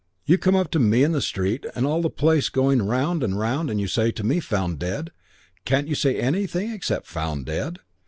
You come up to me in the street, and all the place going round and round, and you say to me, 'Found dead.' Can't you say anything except 'Found dead'?